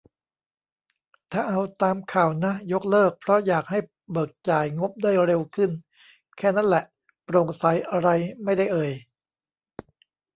ถ้าเอาตามข่าวนะ ยกเลิก เพราะอยากให้ เบิกจ่ายงบได้เร็วขึ้น แค่นั้นแหละ โปร่งใสอะไรไม่ได้เอ่ย